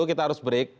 kita harus break